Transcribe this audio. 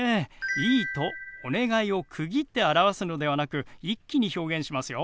「いい」と「お願い」を区切って表すのではなく一気に表現しますよ。